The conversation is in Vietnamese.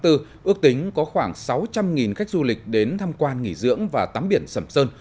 ước tính có khoảng sáu trăm linh khách du lịch đến tham quan nghỉ dưỡng và tắm biển sầm sơn